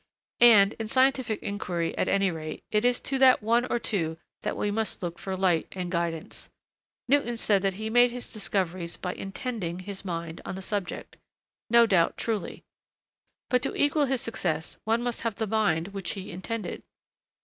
And, in scientific inquiry, at any rate, it is to that one or two that we must look for light and guidance. Newton said that he made his discoveries by 'intending' his mind on the subject; no doubt truly. But to equal his success one must have the mind which he 'intended.'